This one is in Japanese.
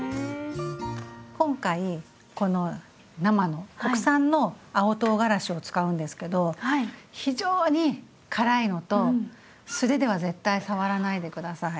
今回この生の国産の青とうがらしを使うんですけど非常に辛いのと素手では絶対触らないで下さい。